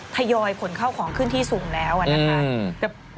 ทยอยขนเข้าของขึ้นที่สูงแล้วนะคะ